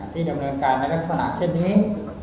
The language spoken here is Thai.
ที่ดำเนินการในลักษณะเช่นนี้